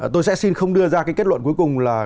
tôi sẽ xin không đưa ra cái kết luận cuối cùng là